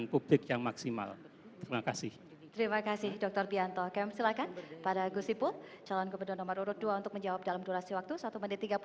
mulai dari budaya birokrasi kita